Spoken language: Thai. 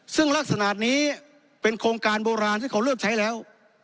ซึ่งลักษณะนี้เป็นโครงการโบราณที่เขาเลือกใช้แล้ว